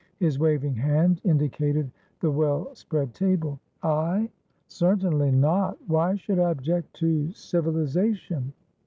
"his waving hand indicated the well spread table. "I? Certainly not. Why should I object to civilisation?"